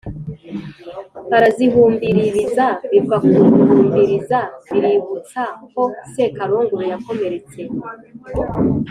arazihumbiririza: biva ku guhumbiriza biributsa ko sekarongoro yakomeretse